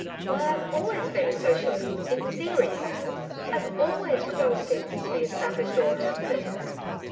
'Why, I've always been a Socialist in theory, you know. I've ALWAYS rebelled against the established order of things.'